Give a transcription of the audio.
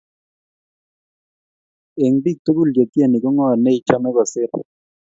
Eng bik tugul che tyeni ko ngo nei chome kosir